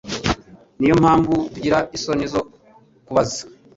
ni yo mpamvu tugira isoni zo kubaza